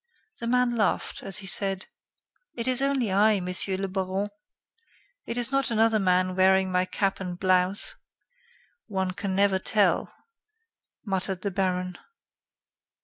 The man laughed, as he said: "It is only I, Monsieur le Baron. It is not another man wearing my cap and blouse." "One can never tell," muttered the Baron.